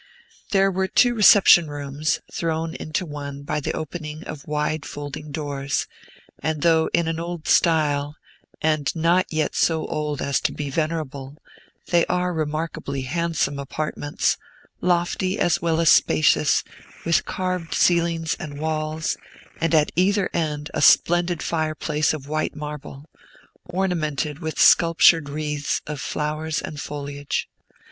There were two reception rooms, thrown into one by the opening of wide folding doors; and though in an old style, and not yet so old as to be venerable, they are remarkably handsome apartments, lofty as well as spacious, with carved ceilings and walls, and at either end a splendid fireplace of white marble, ornamented with sculptured wreaths of flowers and foliage.